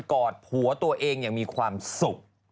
กอดผัวตัวเองอย่างมีความสุข